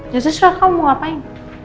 ya sesuai kamu mau ngapain